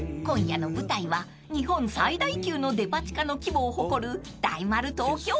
［今夜の舞台は日本最大級のデパ地下の規模を誇る］